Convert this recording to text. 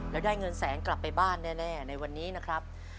แล้วได้เงินแสนกลับไปบ้านแน่ในวันนี้นะครับ